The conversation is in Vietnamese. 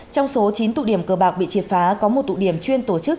trong số chín tụ điểm cờ bạc bị triệt phá có một tụ điểm chuyên tổ chức